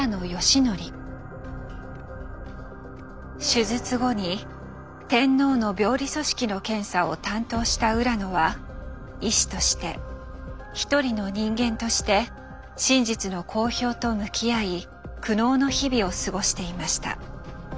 手術後に天皇の病理組織の検査を担当した浦野は医師として一人の人間として「真実の公表」と向き合い苦悩の日々を過ごしていました。